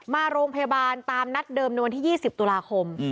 มาโรงพยาบาลตามนัดเดิมในวันที่๒๐ตุลาคม